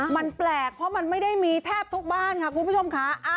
มันแปลกเพราะมันไม่ได้มีแทบทุกบ้านค่ะคุณผู้ชมค่ะ